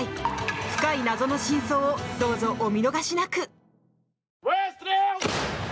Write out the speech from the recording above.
深い謎の真相をどうぞお見逃しなく！